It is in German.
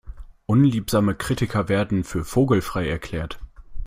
Unliebsame Kritiker werden für vogelfrei erklärt.